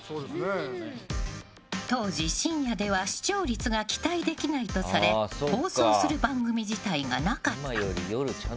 当時、深夜では視聴率が期待できないとされ放送する番組自体がなかった。